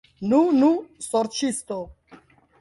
Nu, nu, sorĉisto!